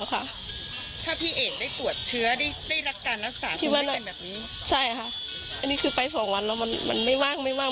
คนป่วยคือไม่ไหวต้องรอนรอความตายอยู่ที่ห้อง